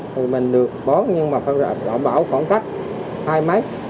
thì mình được bó nhưng mà phải bảo khoảng cách hai mét